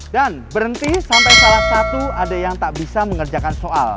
dan berhenti sampai salah satu ada yang tak bisa mengerjakan soal